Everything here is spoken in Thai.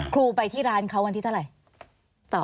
ครูไปที่ร้านเขาวันที่เท่าไหร่